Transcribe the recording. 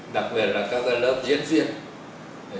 đặc biệt là các lớp diễn viên